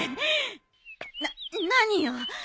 なっ何よ。